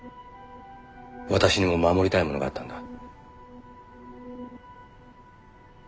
私にも守りたいものがあったんだ。